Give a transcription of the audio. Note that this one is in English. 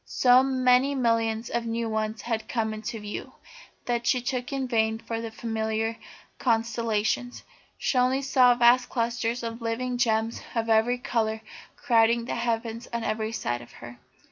So many millions of new ones had come into view, that she looked in vain for the familiar constellations. She saw only vast clusters of living gems of every colour crowding the heavens on every side of her.